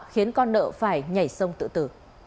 khiến con nợ phải nhảy sông tự tử